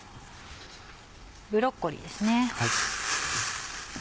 ブロッコリーです。